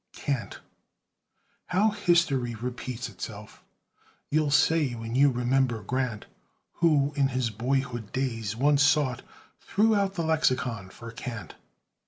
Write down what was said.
CAN'T How history repeats itself You'll say when you remember Grant, Who, in his boyhood days, once sought Throughout the lexicon for "can't."